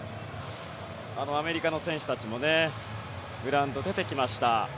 あのアメリカの選手たちもグラウンド、出てきました。